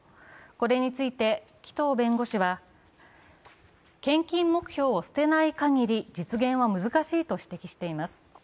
これについて紀藤弁護士は、献金目標を捨てないかぎり実現は難しいと指摘しています。